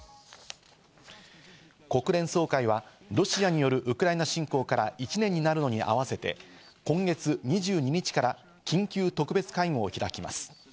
国連総会はロシアによるウクライナ侵攻から１年になるのに合わせて、今月２２日から緊急特別会合を開きます。